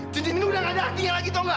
cincin ini udah gak ada hatinya lagi tau gak